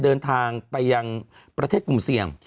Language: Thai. เดินทางไปยังประเทศกรุงเซียม